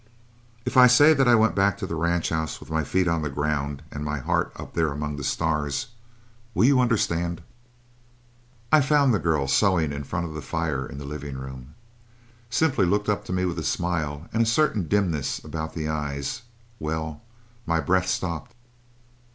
"If I say that I went back to the ranch house with my feet on the ground and by heart up there among the stars, will you understand? "I found the girl sewing in front of the fire in the living room. Simply looked up to me with a smile, and a certain dimness about the eyes well, my breath stopped.